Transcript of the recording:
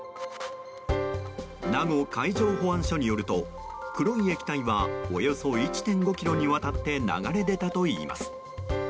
名護海上保安署によると黒い液体はおよそ１．５ｋｍにわたって流れ出たといいます。